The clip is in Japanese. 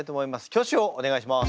挙手をお願いします。